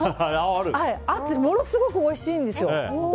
ものすごくおいしいんですよ。